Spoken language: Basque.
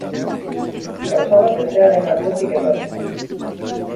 Gauza bat bestearen atzetik etorri zen.